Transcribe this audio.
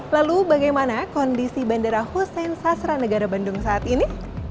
lalu bagaimana kondisi bandara hussein sasranegara bandung saat ini